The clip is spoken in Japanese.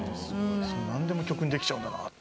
何でも曲にできちゃうんだなって。